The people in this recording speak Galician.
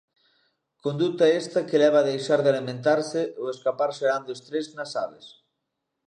Conduta esta que leva a deixar de alimentarse ou escapar xerando estrés nas aves.